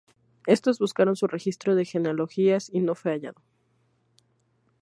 Estos buscaron su registro de genealogías, y no fué hallado.